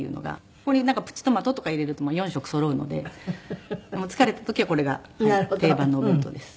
ここにプチトマトとか入れると４色そろうので疲れた時はこれが定番のお弁当です。